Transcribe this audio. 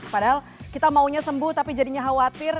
padahal kita maunya sembuh tapi jadinya khawatir